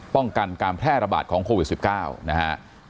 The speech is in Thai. ป้องกันการแพร่ระบาดของโควิด๑๙นะฮะ